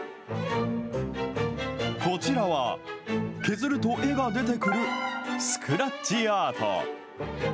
こちらは、削ると絵が出てくるスクラッチアート。